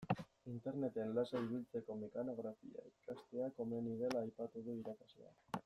Interneten lasai ibiltzeko mekanografia ikastea komeni dela aipatu du irakasleak.